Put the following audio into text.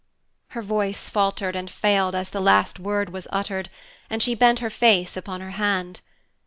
Her voice faltered and failed as the last word was uttered, and she bent her face upon her hand.